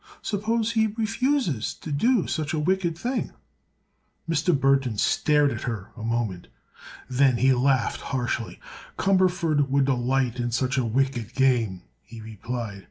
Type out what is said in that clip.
Suppose he refuses to do such a wicked thing?" Mr. Burthon stared at her a moment. Then he laughed harshly. "Cumberford would delight in such a 'wicked' game," he replied.